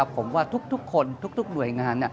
ผมว่าทุกคนทุกหน่วยงาน